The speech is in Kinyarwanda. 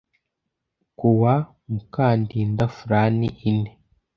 ku wa mukandinda fran ine